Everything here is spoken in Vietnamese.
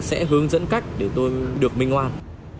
sẽ hướng dẫn cách để tôi được minh hoan